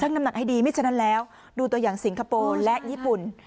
น้ำหนักให้ดีไม่ฉะนั้นแล้วดูตัวอย่างสิงคโปร์และญี่ปุ่น